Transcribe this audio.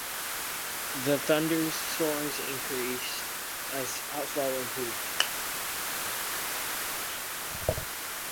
The thunderstorms increased as outflow improved.